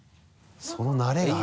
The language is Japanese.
その慣れがある。